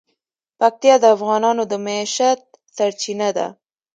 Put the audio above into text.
پکتیا د افغانانو د معیشت سرچینه ده.